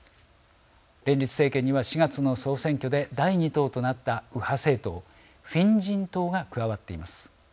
連立政権には４月の総選挙で第２党となった右派政党・フィン人党が加わっています。